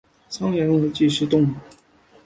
沧源近溪蟹为溪蟹科近溪蟹属的动物。